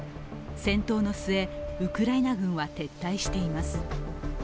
戦闘の末、ウクライナ軍は撤退しています。